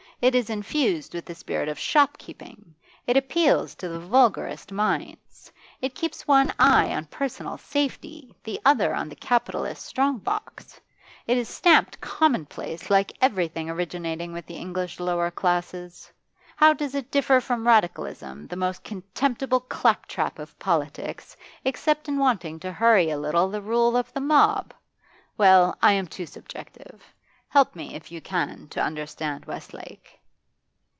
It is infused with the spirit of shopkeeping; it appeals to the vulgarest minds; it keeps one eye on personal safety, the other on the capitalist's strong box; it is stamped commonplace, like everything originating with the English lower classes. How does it differ from Radicalism, the most contemptible claptrap of politics, except in wanting to hurry a little the rule of the mob? Well, I am too subjective. Help me, if you can, to understand Westlake.